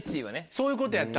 そういうことやった。